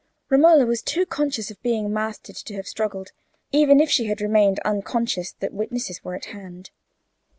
Romola was too conscious of being mastered to have struggled, even if she had remained unconscious that witnesses were at hand.